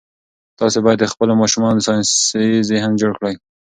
تاسي باید د خپلو ماشومانو ساینسي ذهن جوړ کړئ.